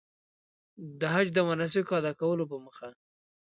د حج د مناسکو ادا کولو په موخه.